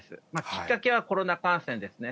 きっかけはコロナ感染ですね。